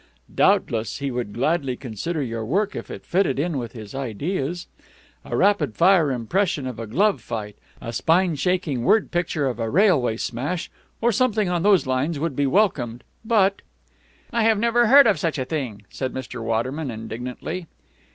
Doubtless he would gladly consider your work if it fitted in with his ideas. A rapid fire impression of a glove fight, a spine shaking word picture of a railway smash, or something on those lines, would be welcomed. But " "I have never heard of such a thing," said Mr. Waterman indignantly.